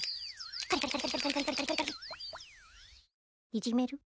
いぢめる？